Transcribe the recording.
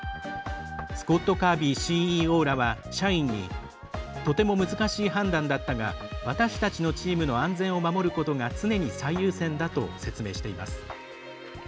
スコット・カービーＣＥＯらは社員に「とても難しい判断だったが私たちのチームの安全を守ることが常に最優先だ」と説明しています。